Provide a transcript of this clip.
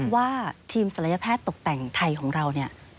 ว่าทีมศัลยแพทย์ตกแต่งไทยของเราเนี่ย